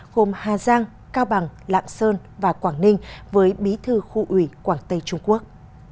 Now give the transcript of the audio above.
gồm hà giang cao bằng lạng sơn và quảng ninh với bí thư khu ủy quảng tây trung quốc